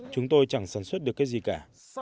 chúng tôi chẳng sản xuất được cái gì cả